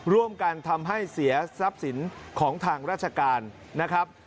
ร่วมกันทำให้เสียทรัพย์สินของทางราชการนะครับ